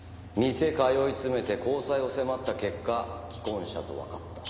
店通い詰めて交際を迫った結果既婚者とわかった。